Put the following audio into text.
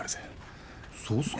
そうっすか？